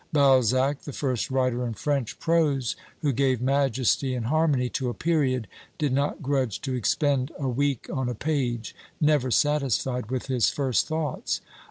Balzac, the first writer in French prose who gave majesty and harmony to a period, did not grudge to expend a week on a page, never satisfied with his first thoughts.